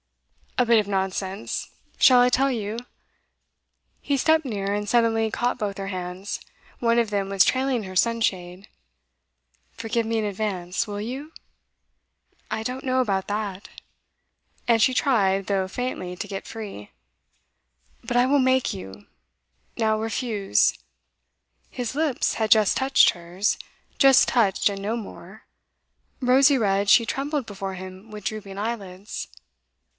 'A bit of nonsense. Shall I tell you?' He stepped near, and suddenly caught both her hands, one of them was trailing her sunshade. 'Forgive me in advance will you?' 'I don't know about that.' And she tried, though faintly, to get free. 'But I will make you now, refuse!' His lips had just touched hers, just touched and no more. Rosy red, she trembled before him with drooping eyelids.